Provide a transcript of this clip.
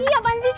ih apaan sih